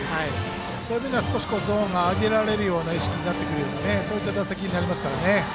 そういう意味ではゾーンが上げられるような意識になってくれるような打席になりますかね。